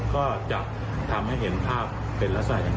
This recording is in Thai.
ก็จะทำให้เข้าไปเห็นภาพไปละสายกัน